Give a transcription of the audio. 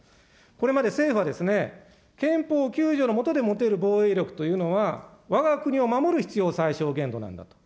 これまで政府は憲法９条の下で持てる防衛力というのは、わが国を守る必要最少限度なんだと。